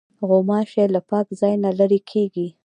غوماشې له پاک ځای نه لیري کېږي.